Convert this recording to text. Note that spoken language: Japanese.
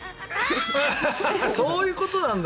そういうことなんだ。